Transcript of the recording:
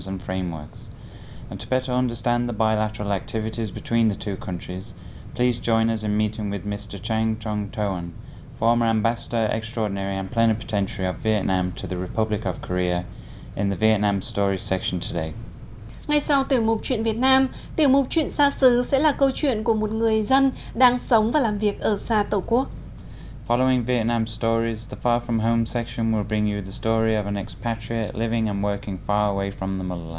ngay sau tiểu mục chuyện việt nam tiểu mục chuyện sa sứ sẽ là câu chuyện của một người dân đang sống và làm việc ở xa tổ quốc